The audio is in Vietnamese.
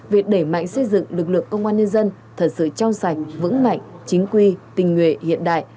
việc đẩy mạnh xây dựng lực lượng công an nhân dân thật sự trong sạch vững mạnh chính quy tình nguyện hiện đại